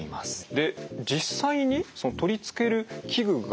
で実際にその取り付ける器具が。